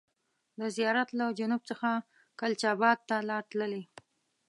د زیارت له جنوب څخه کلچا بات ته لار تللې.